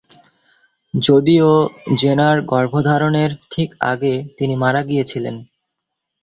যদিও জেনার গর্ভধারণের ঠিক আগে তিনি মারা গিয়েছিলেন।